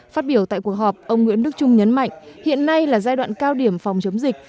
phát biểu tại cuộc họp ông nguyễn đức trung nhấn mạnh hiện nay là giai đoạn cao điểm phòng chống dịch